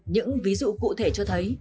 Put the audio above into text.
những ví dụ cụ thể cho thấy